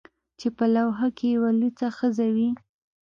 چې په لوحه کې یې یوه لوڅه ښځه وي